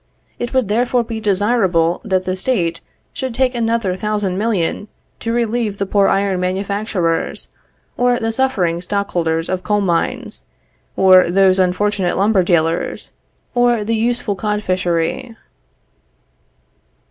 It would therefore be desirable that the State should take another thousand million, to relieve the poor iron manufacturers; or the suffering stockholders of coal mines; or those unfortunate lumber dealers, or the useful codfishery."